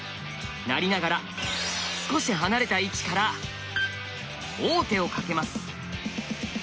成りながら少し離れた位置から王手をかけます。